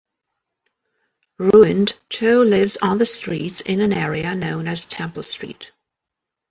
Ruined, Chow lives on the streets in an area known as Temple Street.